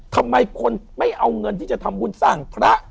ทำไมคนไม่เอาเงินที่จะทำบุญสร้างพระ